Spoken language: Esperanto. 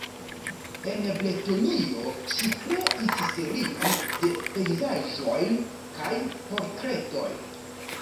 En Bretonio ŝi kreis serion de pejzaĝoj kaj portretoj.